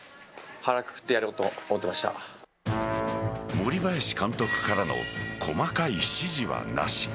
森林監督からの細かい指示はなし。